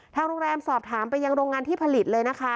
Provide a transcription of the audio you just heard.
ทางโรงแรมสอบถามไปยังโรงงานที่ผลิตเลยนะคะ